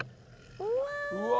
うわ！